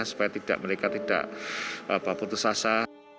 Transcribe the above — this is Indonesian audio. supaya mereka tidak putus asa